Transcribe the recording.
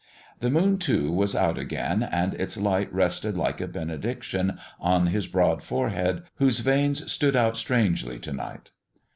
The moon, too, was out again, and its light rested like a benediction on his broad forehead, whose veins stood out strangely to night.